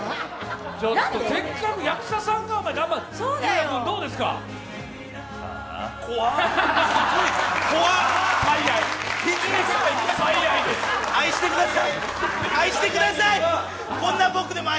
せっかく役者さんが頑張ってあーあ。